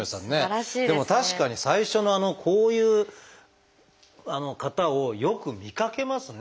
でも確かに最初のあのこういう方をよく見かけますね。